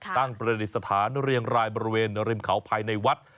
ประดิษฐานเรียงรายบริเวณริมเขาภายในวัด